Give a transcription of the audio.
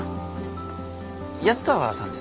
安川さんです。